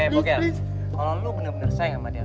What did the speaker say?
bokel kalo lo bener bener sayang sama dia